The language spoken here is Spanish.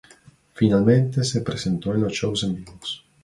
Finalmente se presentó en los shows en vivo.